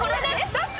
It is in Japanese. どっち⁉